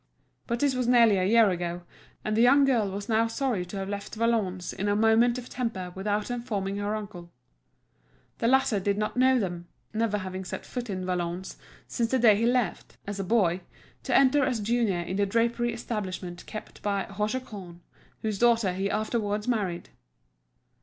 But this was nearly a year ago, and the young girl was now sorry to have left Valognes in a moment of temper without informing her uncle. The latter did not know them, never having set foot in Valognes since the day he left, as a boy, to enter as junior in the drapery establishment kept by Hauchecorne, whose daughter he afterwards married.